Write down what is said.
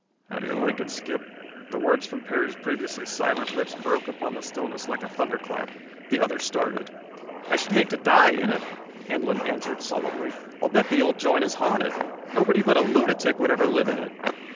"How do you like it, Skip?" The words from Perry's previously silent lips broke upon the stillness like a thunderclap. The other started. "I should hate to die in it," Handlon answered solemnly. "I'll bet the old joint is haunted. Nobody but a lunatic would ever live in it."